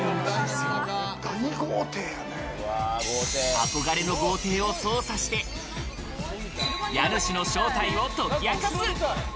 憧れの豪邸を捜査して家主の正体を解き明かす。